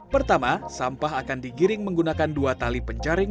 pertama sampah akan digiring menggunakan dua tali penjaring